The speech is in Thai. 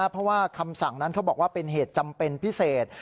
เพราะว่าคำสั่งนั้นเขาบอกว่าเป็นเหตุจำเป็นพิเศษ